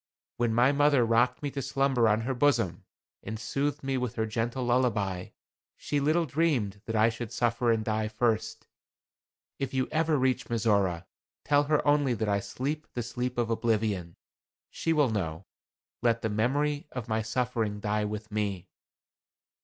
When my mother rocked me to slumber on her bosom, and soothed me with her gentle lullaby, she little dreamed that I should suffer and die first. If you ever reach Mizora, tell her only that I sleep the sleep of oblivion. She will know. Let the memory of my suffering die with me."